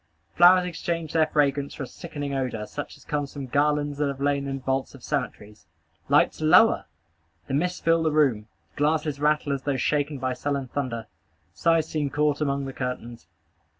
Flowers exchange their fragrance for a sickening odor, such as comes from garlands that have lain in vaults of cemeteries. Lights lower! Mists fill the room. Glasses rattle as though shaken by sullen thunder. Sighs seem caught among the curtains.